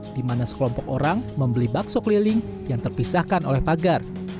di mana sekelompok orang membeli bakso keliling yang terpisahkan oleh pagar